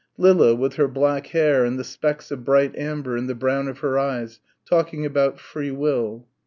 Lilla, with her black hair and the specks of bright amber in the brown of her eyes, talking about free will.